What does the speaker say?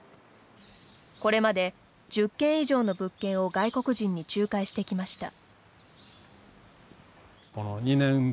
これまで１０件以上の物件を外国人に仲介してきました。